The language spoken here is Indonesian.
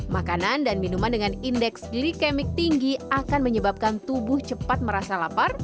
makanan dan minuman dengan indeks glikemik tinggi akan menyebabkan tubuh cepat merasa lapar